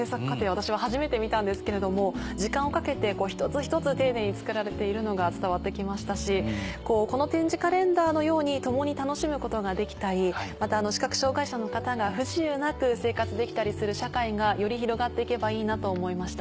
私は初めて見たんですけれども時間をかけて一つ一つ丁寧に作られているのが伝わって来ましたしこの点字カレンダーのように共に楽しむことができたりまた視覚障がい者の方が不自由なく生活できたりする社会がより広がって行けばいいなと思いました。